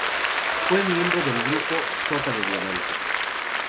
Fue miembro del grupo "Sota de Diamantes".